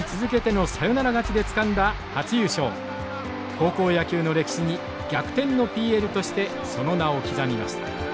高校野球の歴史に逆転のＰＬとしてその名を刻みました。